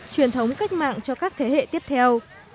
truyền thống cách mạng cho các thế hệ tiếp theo